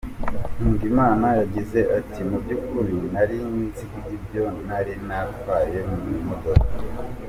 Nkundimana yagize ati :"Mu by’ukuri, nari nzi ibyo nari ntwaye mu modoka.